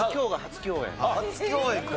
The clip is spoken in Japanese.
初共演か。